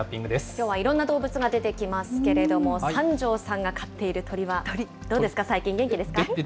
きょうはいろんな動物が出てきますけれども、三條さんが飼っている鳥は、どうですか、最近、元気ですか？